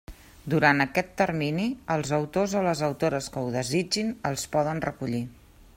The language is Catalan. Durant aquest termini, els autors o les autores que ho desitgin els poden recollir.